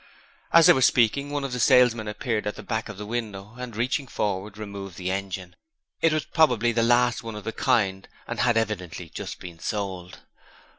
As they were speaking, one of the salesmen appeared at the back of the window and, reaching forward, removed the engine. It was probably the last one of the kind and had evidently just been sold.